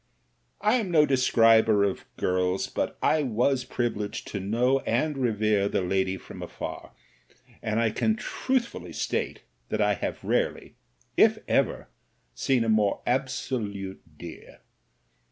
I am no describer of girls, but I was privileged to know and revere the lady from afar, and I can truthfully state that I have rarely, if ever, seen a more absolute dear.